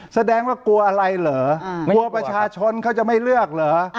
แสดงว่ากลัวอะไรเหรอกลัวประชาชนเขาจะไม่เลือกเหรอ